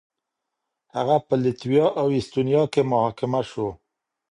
هغه په لتويا او اېسټونيا کې محاکمه شو.